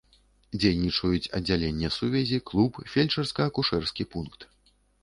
Дзейнічаюць аддзяленне сувязі, клуб, фельчарска-акушэрскі пункт.